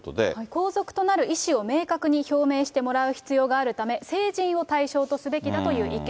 皇族となる意思を明確に表明してもらう必要があるため、成人を対象とすべきだという意見。